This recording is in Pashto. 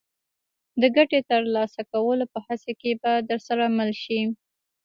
د ګټې ترلاسه کولو په هڅه کې به درسره مل شي.